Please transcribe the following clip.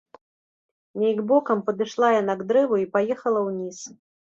Нейк бокам падышла яна к дрэву і паехала ўніз.